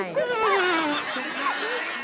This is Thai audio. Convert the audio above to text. อีกอันเสร็จ